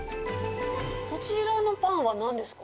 こちらのパンはなんですか？